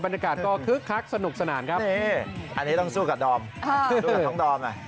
บรรยากาศก็คึกคักสนุกสนานครับอันนี้ต้องสู้กับดอมสู้กับน้องดอม